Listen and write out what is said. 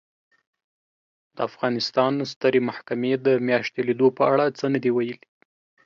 د افغانستان سترې محکمې د میاشتې لیدو په اړه څه نه دي ویلي